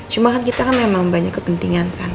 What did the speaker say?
cuma kan kita kan memang banyak kepentingan kan